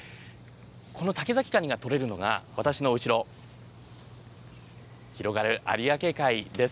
この竹崎カニが取れるのが私の後ろ、広がる有明海です。